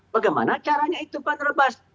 bagaimana caranya itu pak nurbas